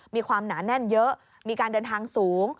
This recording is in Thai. มีความหนาแน่นเยอะมีการเดินทางสูง